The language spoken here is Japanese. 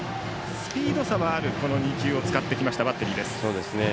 スピード差のあるこの２球を使ってきたバッテリー。